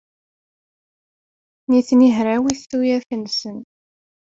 Nitni hrawit tuyat-nsen.